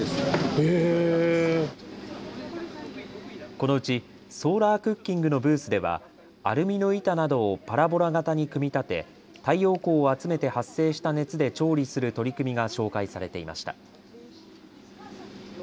このうちソーラークッキングのブースではアルミの板などをパラボラ型に組み立て太陽光を集めて発生した熱で調理する取り組みが紹介されていました。